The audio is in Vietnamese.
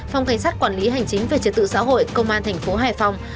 phòng cảnh sát quản lý hành chính về trật tự xã hội công an tp hải phòng